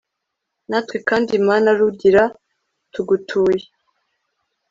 natwe kandi, mana rugira, tugutuye